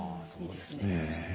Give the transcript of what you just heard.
いいですね。